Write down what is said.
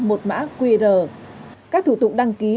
một mã qr các thủ tục đăng ký